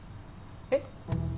えっ？